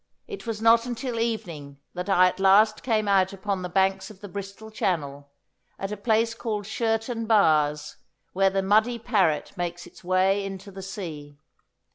It was not until evening that I at last came out upon the banks of the Bristol Channel, at a place called Shurton Bars, where the muddy Parret makes its way into the sea.